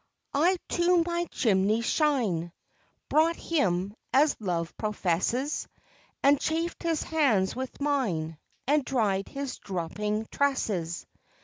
I to my chimney's shine Brought him, as Love professes, And chafed his hands with mine, And dried his dropping tresses.